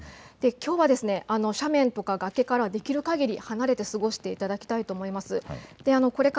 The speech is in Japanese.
きょうは斜面とか崖からできるかぎり離れて過ごしていただきたいと思います。